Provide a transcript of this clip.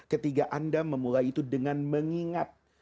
ketika anda memulai itu dengan mengingat